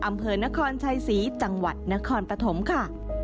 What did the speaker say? อำเภอนครชัยศรีจังหวัดนครปฐมค่ะ